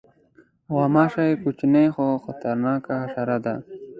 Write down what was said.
غوماشه کوچنۍ خو خطرناکه حشره ده.